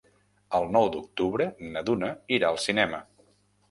El nou d'octubre na Duna irà al cinema.